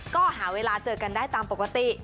ก็หาเวลาเจอกันได้ตามปกติ